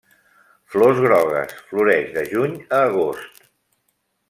Flors grogues, floreix de juny a agost.